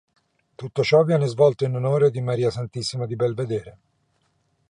Tutto ciò viene svolto in onore di Maria Santissima di Belvedere.